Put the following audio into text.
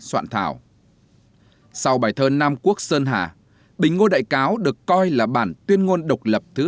soạn thảo sau bài thơ nam quốc sơn hà bình ngô đại cáo được coi là bản tuyên ngôn độc lập thứ